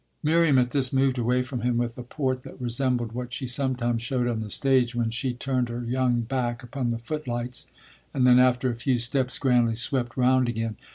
Miriam at this moved away from him with a port that resembled what she sometimes showed on the stage when she turned her young back upon the footlights and then after a few steps grandly swept round again.